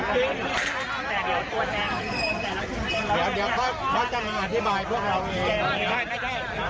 ไม่เราจะกลับกลับบ้านแล้วกลับ